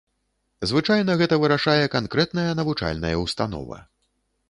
Звычайна гэта вырашае канкрэтная навучальная ўстанова.